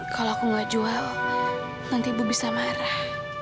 kalau aku nggak jual nanti ibu bisa marah